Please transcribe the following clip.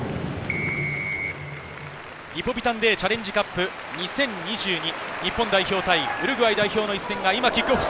リポビタンＤチャレンジカップ２０２２、日本代表対ウルグアイ代表の一戦が今、キックオフ。